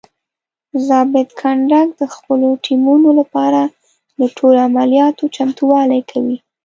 ضابط کنډک د خپلو ټیمونو لپاره د ټولو عملیاتو چمتووالی کوي.